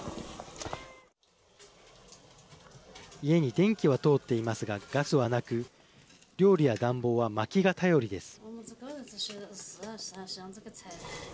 家に電気は通っていますがガスはなく料理や暖房は、まきが頼りです。